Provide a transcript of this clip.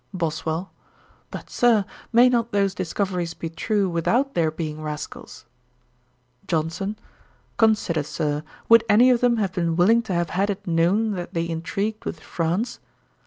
BOSWELL. 'But, Sir, may not those discoveries be true without their being rascals?' JOHNSON. 'Consider, Sir; would any of them have been willing to have had it known that they intrigued with France?